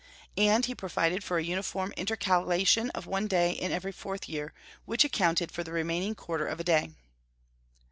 And he provided for a uniform intercalation of one day in every fourth year, which accounted for the remaining quarter of a day.